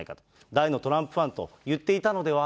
大のトランプファンと言っていたのでは？